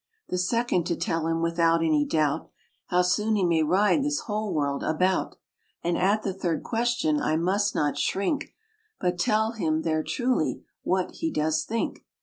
"The second, to tell him without any doubt, How soon he may ride this whole world about; And at the third question I must not shrink, But tell him there truly what he does think."